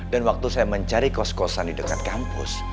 dan waktu saya mencari kos kosan di dekat kampus